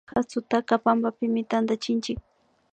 Katsutaka pampapimi tantachinchik